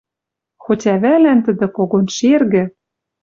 Хоть ӓвӓлӓн тӹдӹ когон шергӹ